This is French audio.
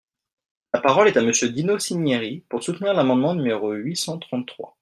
La parole est à Monsieur Dino Cinieri, pour soutenir l’amendement numéro huit cent trente-trois.